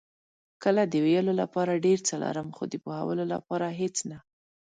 کله د ویلو لپاره ډېر څه لرم، خو د پوهولو لپاره هېڅ نه.